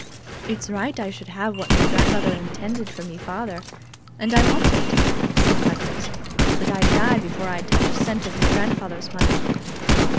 "It's right I should have what me grandmother intinded for me father, and I want it," said Freckles, "but I'd die before I'd touch a cent of me grandfather's money!"